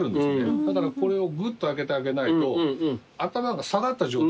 だからこれをぐっと上げてあげないと頭が下がった状態。